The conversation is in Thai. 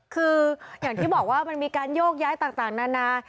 คืออย่างที่บอกว่ามันมีการโยกย้ายต่างนานา